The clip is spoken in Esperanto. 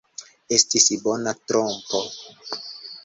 Estis bona trompo!